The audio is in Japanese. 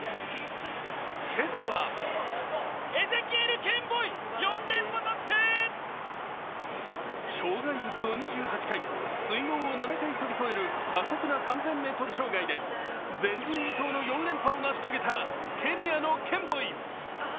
今朝は障害物を２８回、水濠を７回飛び越える過酷な３０００ｍ障害で前人未到の４連覇を成し遂げたケニアのケンボイ。